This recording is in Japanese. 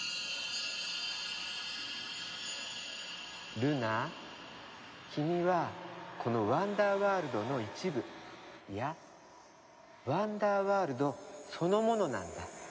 ルナ君はこのワンダーワールドの一部いやワンダーワールドそのものなんだ。